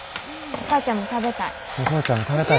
お父ちゃんも食べたいわ。